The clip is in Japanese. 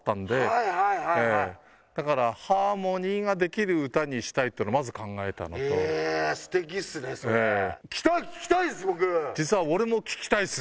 はいはいはいだからハーモニーができる歌にしたいっていうのまず考えたのとえ素敵っすねそれ聴きたい聴きたいです